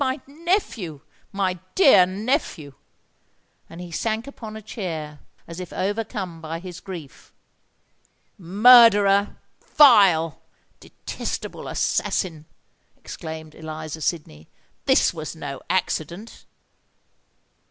my nephew—my dear nephew!" And he sank upon a chair, as if overcome by his grief. "Murderer!—vile—detestable assassin!" exclaimed Eliza Sydney: "this was no accident!"